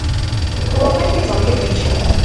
Ɣur-m ad kem-iẓer yiṭij.